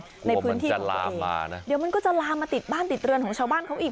กลัวมันจะลามมานะเดี๋ยวมันก็จะลามมาติดบ้านติดเรือนของชาวบ้านเขาอีก